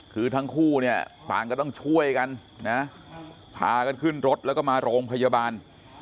คือทั้งคู่เนี่ยต่างก็ต้องช่วยกันนะพากันขึ้นรถแล้วก็มาโรงพยาบาล